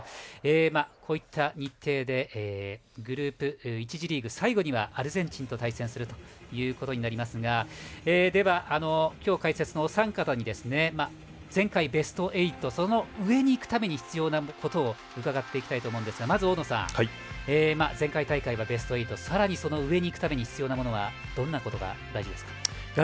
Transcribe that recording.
こうした日程でグループ１次リーグ、最後にはアルゼンチンと対戦することになりますが今日解説のお三方に前回ベスト８その上に行くために必要なことを伺っていきたいと思うんですがまず、大野さん前回大会はベスト８さらにその上に行くために必要なものはどんなことが大事ですか。